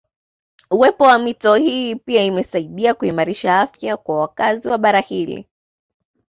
Uwepo wa mito hii pia imesaidia kuimarisha afya kwa wakazi wa bara hili